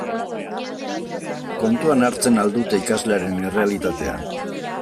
Kontuan hartzen al dute ikaslearen errealitatea?